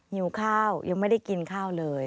หิวข้าวยังไม่ได้กินข้าวเลย